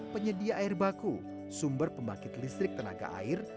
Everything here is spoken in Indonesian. penyedia air baku sumber pembangkit listrik tenaga air